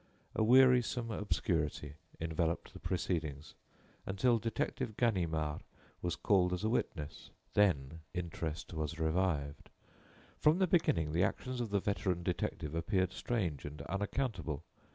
A wearisome obscurity enveloped the proceedings, until Detective Ganimard was called as a witness; then interest was revived. From the beginning the actions of the veteran detective appeared strange and unaccountable.